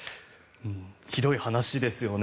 ひどい話ですよね。